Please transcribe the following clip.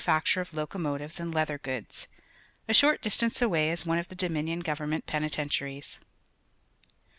facture of locomotives and leather goods. A short distance away is one of the Dominion Government penitentiaries.